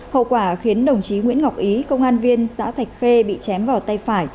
hậu quả khiến đồng chí nguyễn ngọc ý công an viên xã thạch khê bị chém vào tay phải